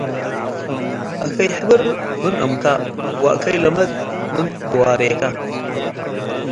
አከይ-ሕብር ምን እምከ ወአከይ-ለመድ ምን ግዋሬከ።